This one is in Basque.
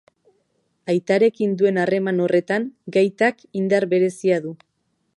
Aitarekin duen harreman horretan, gaitak indar berezia du.